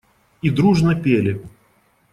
И дружно пели.